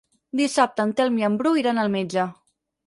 Dissabte en Telm i en Bru iran al metge.